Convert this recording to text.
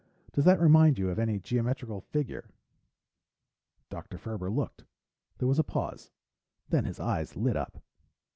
"Does that remind you of any geometrical figure?" Dr. Ferber looked. There was a pause, then his eyes lit up.